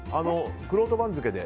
くろうと番付で。